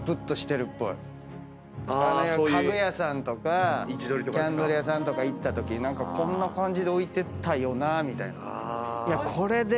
家具屋さんとかキャンドル屋さんとか行ったとき何かこんな感じで置いてたよなみたいな。